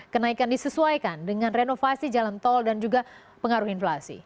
kenaikan disesuaikan dengan renovasi jalan tol dan juga pengaruh inflasi